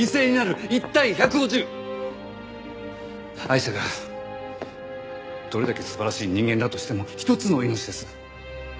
アイシャがどれだけ素晴らしい人間だとしてもひとつの命です。